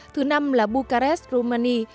thứ năm là bucharest romania